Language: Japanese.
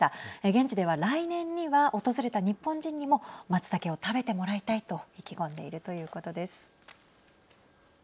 現地では来年には訪れた日本人にもまつたけを食べてもらいたいと意気込んでいるということです。